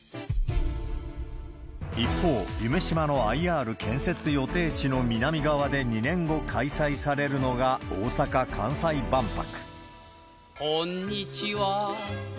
一方、夢洲のＩＲ建設予定地の南側で２年後、開催されるのが大阪・関西万博。